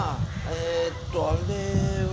えっとあれは。